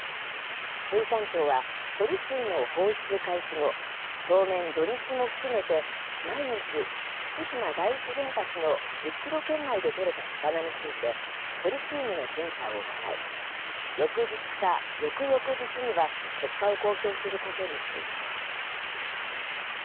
水産庁は、処理水の放出開始後、当面、土日も含めて、毎日、福島第一原発の１０キロ圏内で取れた魚について、トリチウムの検査を行い、翌日か翌々日には結果を公表することにしています。